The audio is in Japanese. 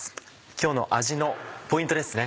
今日の味のポイントですね。